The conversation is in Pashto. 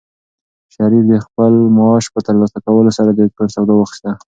شریف د خپل معاش په ترلاسه کولو سره د کور سودا واخیسته.